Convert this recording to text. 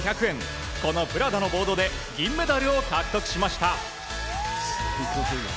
このプラダのボードで、銀メダルを獲得しました。